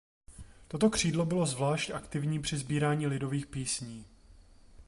Toto křídlo bylo zvlášť aktivní při sbírání lidových písní.